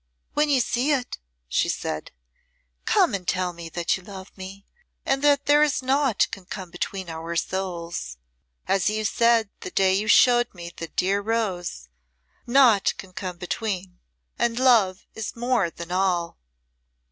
"When you see it," she said, "come and tell me that you love me, and that there is naught can come between our souls. As you said the day you showed me the dear rose, 'Naught can come between' and love is more than all."